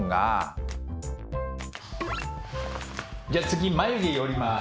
じゃあ次眉毛寄ります。